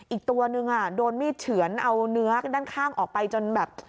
อีกตัวนึงโดนมีดเฉือนเอาเนื้อด้านข้างออกไปจนแบบ